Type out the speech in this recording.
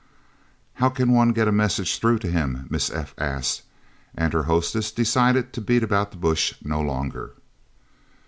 "How could one get a message through to him?" Miss F. asked, and her hostess decided to beat about the bush no longer.